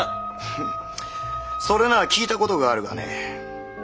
フンそれなら聞いた事があるがね